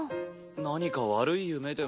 何か悪い夢でも。